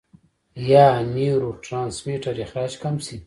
يا نيوروټرانسميټر اخراج کم شي -